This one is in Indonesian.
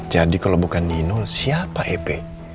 jadi kalau bukan dino siapa ep